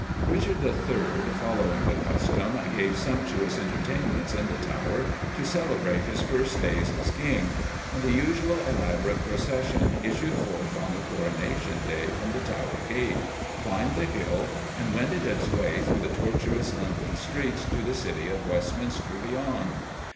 Richard III., following the custom, gave sumptuous entertainments in the Tower to celebrate his first days as King, and the usual elaborate procession issued forth on the coronation day from the Tower gate, climbed the hill, and wended its way through the tortuous London streets to the city of Westminster, beyond.